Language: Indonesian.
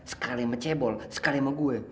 sekali sama cebol sekali sama gue